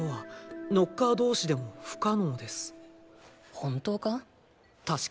本当か？